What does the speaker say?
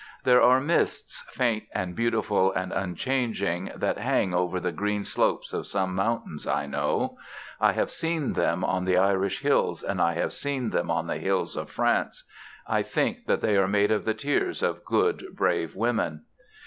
There are mists, faint and beautiful and unchanging, that hang over the green slopes of some mountains I know. I have seen them on the Irish hills and I have seen them on the hills of France. I think that they are made of the tears of good brave women.